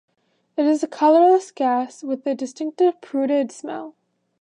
It is a colorless gas with a distinctive putrid smell.